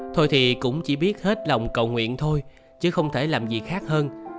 thôi thì cũng chỉ biết hết lòng cầu nguyện thôi chứ không thể làm gì khác hơn